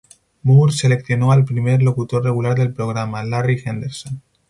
Moore seleccionó al primer locutor regular del programa, Larry Henderson.